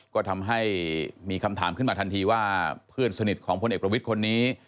ก็ทำให้มีคำถามขึ้นมาทันทีว่าเพื่อนสนิทของพลเอกประวิทย์คนนี้